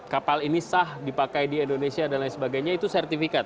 kapal ini sah dipakai di indonesia dan lain sebagainya itu sertifikat